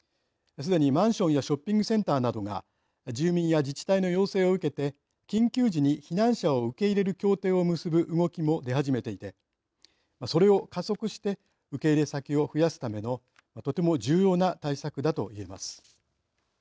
すでに、マンションやショッピングセンターなどが住民や自治体の要請を受けて緊急時に避難者を受け入れる協定を結ぶ動きも出始めていてそれを加速して受け入れ先を増やすためのとても重要な対策だといえます。